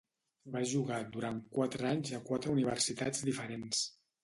Va jugar durant quatre anys a quatre universitats diferents.